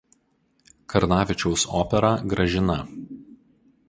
Karnavičiaus operą „Gražina“.